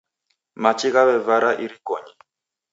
Machi ghaw'evara irikonyi.